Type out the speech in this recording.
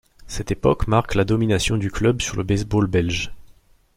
Cette époque marque la domination du club sur le baseball belge.